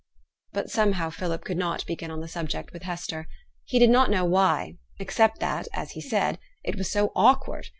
But somehow Philip could not begin on the subject with Hester. He did not know why, except that, as he said, 'it was so awkward.'